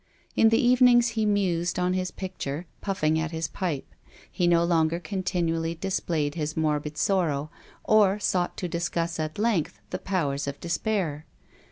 In the evenings he mused on his picture, puffing at his pipe. He no longer con tinually displayed his morbid sorrow, or sought to discuss at length the powers of despair.